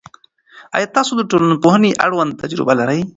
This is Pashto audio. آیا تاسو د ټولنپوهنې اړوند تجربه لرئ؟